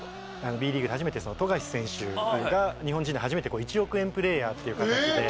Ｂリーグで初めて富樫選手が日本人で初めて１億円プレーヤーっていう形で。